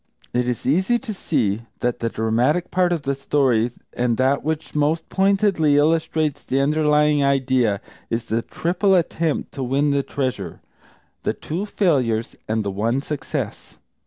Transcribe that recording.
It is easy to see that the dramatic part of the story and that which most pointedly illustrates the underlying idea, is the triple attempt to win the treasure, the two failures and the one success.